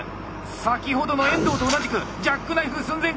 先ほどの遠藤と同じくジャックナイフ寸前か！